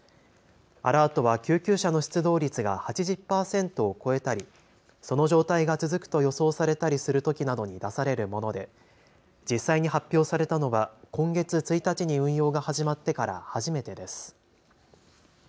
アラートは救急車の出動率が８０％を超えたりその状態が続くと予想されたりするときなどに出されるもので実際に発表されたのは今月１日に運用が始まってから初めてです。